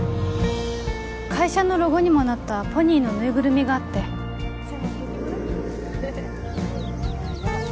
会社のロゴにもなったポニーのぬいぐるみがあって佐奈あげてごらん